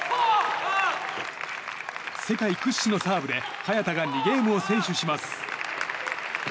世界屈指のサーブで早田が２ゲームを先取します。